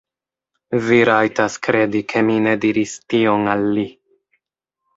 Vi rajtas kredi ke mi ne diris tion al li.